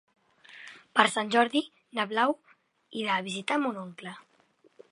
Per Sant Jordi na Blau irà a visitar mon oncle.